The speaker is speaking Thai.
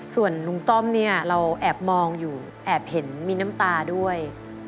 ส่วนลุงต้อมเนี่ยเราแอบมองอยู่แอบเห็นมีน้ำตาด้วย